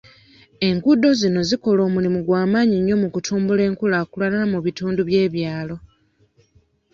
Enguudo zino zikola omulimu gw'amaanyi nnyo mu kutumbula enkulaakulana mu bitundu by'ebyalo.